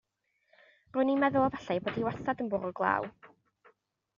Rown i'n meddwl efallai ei bod hi wastad yn bwrw glaw.